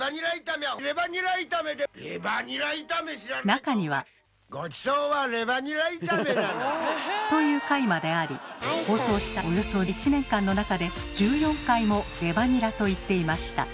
中には。という回まであり放送したおよそ１年間の中で１４回も「レバニラ」と言っていました。